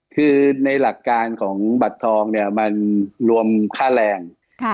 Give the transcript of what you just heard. คือในหลักการของบัตรทองเนี่ยมันรวมค่าแรง